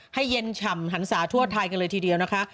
ให้เย็นฉ่ำหันศาทั่วไทยกันเลยทีเดียวนะคะ